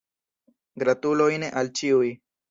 Gratulojn al ĉiuj.